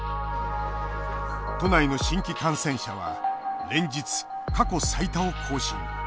都内の新規感染者は連日、過去最多を更新。